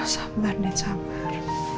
sambar net sabar